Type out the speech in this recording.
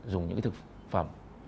dùng những thực phẩm